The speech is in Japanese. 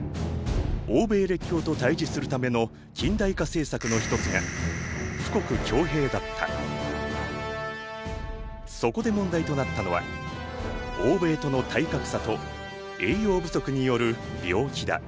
欧米列強と対じするための近代化政策の一つがそこで問題となったのは欧米との体格差と栄養不足による病気だ。